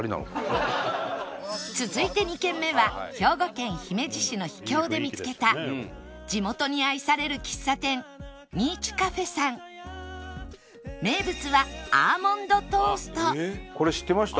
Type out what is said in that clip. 続いて２軒目は兵庫県姫路市の秘境で見つけた地元に愛される名物はこれ知ってました？